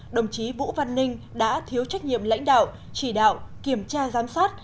đồng chí vũ văn ninh đã thiếu trách nhiệm lãnh đạo chỉ đạo kiểm tra giám sát